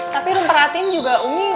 tapi rumpah latin juga umi